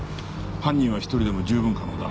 犯人は１人でも十分可能だ。